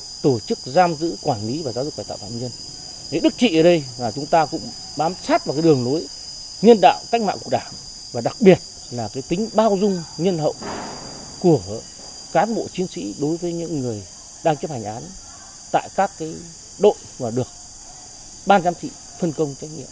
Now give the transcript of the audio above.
cảm ơn các chiến sĩ đối với những người đang chấp hành án tại các đội và được ban giám thị phân công trách nhiệm